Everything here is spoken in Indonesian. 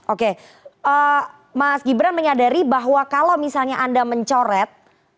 oke mas gibran menyadari bahwa kalau misalnya anda mencoret